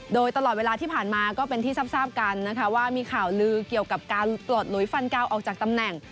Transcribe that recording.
โดยตลอดเวลาที่ผ่านมาก็เป็นที่ทราบกันนะคะว่ามีข่าวลือเกี่ยวกับการปลดหลุยฟันกาวออกจากตำแหน่ง